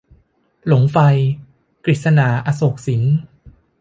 หลงไฟ - กฤษณา อโศกสิน